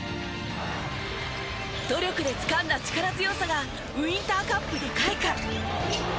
努力でつかんだ力強さがウインターカップで開花。